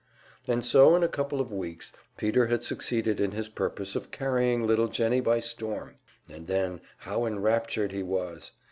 And so in a couple of weeks Peter had succeeded in his purpose of carrying little Jennie by storm. And then, how enraptured he was!